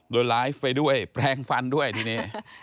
โดยไลฟ์ไปด้วยแปลงฟันด้วยทีนี้